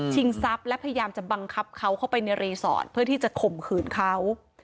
ทรัพย์และพยายามจะบังคับเขาเข้าไปในรีสอร์ทเพื่อที่จะข่มขืนเขา